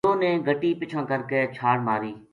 دیو نے گٹی پچھاں کر کے چھاڑ ماری